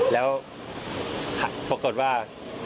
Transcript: แล้วปรากฏว่า